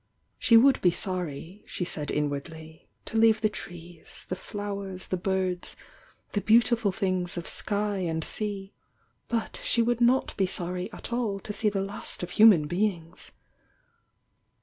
She would be sorry, she said inwardly, to leave the trees, the flowers, the birds, the beautiful things of sky and sea, but she would not be sorry at all to see the last of human beings!